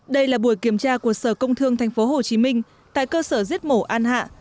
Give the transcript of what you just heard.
đây là buổi kiểm tra của sở công thương tp hcm tại cơ sở giết mổ an hạ